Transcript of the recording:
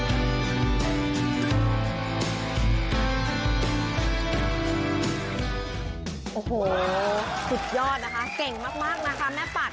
โอ้โหสุดยอดนะคะเก่งมากนะคะแม่ปัด